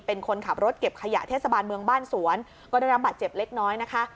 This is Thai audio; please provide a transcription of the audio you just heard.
เป็นคนขับรถเก็บขยะเทศบาลเมืองบ้านสวนก็ได้รับบาดเจ็บเล็กน้อยนะคะ